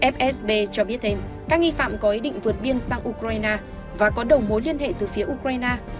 f s b cho biết thêm các nghi phạm có ý định vượt biên sang ukraine và có đầu mối liên hệ từ phía ukraine